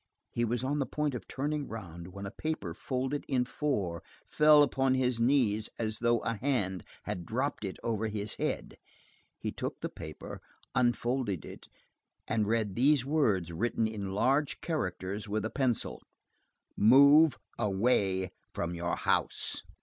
He was on the point of turning round, when a paper folded in four fell upon his knees as though a hand had dropped it over his head. He took the paper, unfolded it, and read these words written in large characters, with a pencil:— "MOVE AWAY FROM YOUR HOUSE."